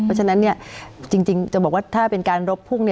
เพราะฉะนั้นจริงจะบอกว่าถ้าเป็นการรบพุ่ง